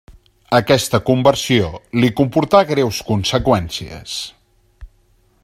Aquesta conversió li comportà greus conseqüències.